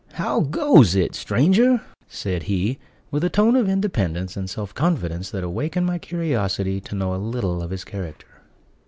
"How goes it, stranger?" said he, with a tone of independence and self confidence that awakened my curiosity to know a little of his character.